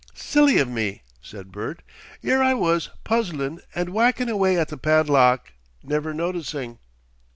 "Silly of me!" said Bert. "'Ere I was puzzlin' and whackin' away at the padlock, never noticing."